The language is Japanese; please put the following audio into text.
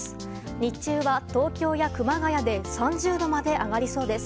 日中は東京や熊谷で３０度まで上がりそうです。